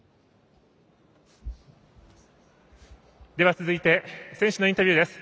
続いて選手のインタビューです。